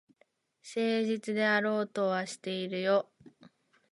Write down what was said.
誠実であろうとはしてるよ。